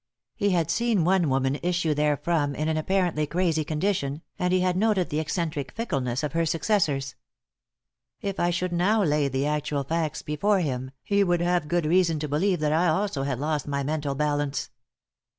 He had seen one woman issue therefrom in an apparently crazy condition, and he had noted the eccentric fickleness of her successors. If I should now lay the actual facts before him, he would have good reason to believe that I also had lost my mental balance.